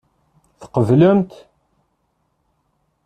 Tqeblemt?